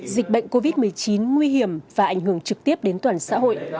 dịch bệnh covid một mươi chín nguy hiểm và ảnh hưởng trực tiếp đến toàn xã hội